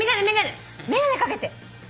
眼鏡掛けて。